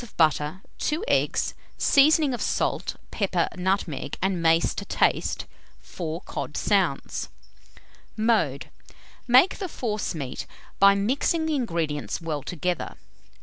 of butter, 2 eggs; seasoning of salt, pepper, nutmeg, and mace to taste; 4 cod sounds. Mode. Make the forcemeat by mixing the ingredients well together.